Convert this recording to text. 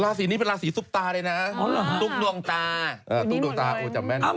ลาสีนี้เป็นลาสีซุปตาเลยนะตุ๊กดวงตาตุ๊กดวงตาโอจับแม่นอ๋ออยู่นี่หมดเลย